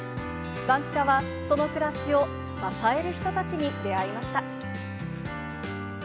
バンキシャはその暮らしを支える人たちに出会いました。